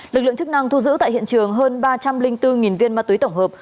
lực lượng chức năng thu giữ tại hiện trường hơn ba trăm linh bốn viên ma túy tổng hợp